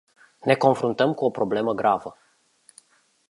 Ne confruntăm cu o problemă gravă.